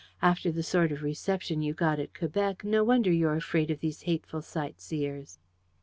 After the sort of reception you got at Quebec, no wonder you're afraid of these hateful sightseers!...